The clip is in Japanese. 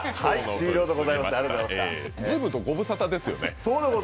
ずいぶんとご無沙汰ですよね？